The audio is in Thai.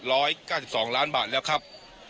ร้อยเก้าสิบสองล้านบาทแล้วครับ